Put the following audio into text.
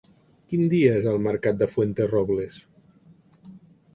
Quin dia és el mercat de Fuenterrobles?